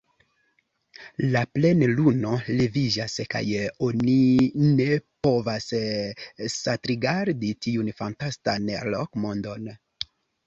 La plenluno leviĝas, kaj oni ne povas satrigardi tiun fantastan rok-mondon.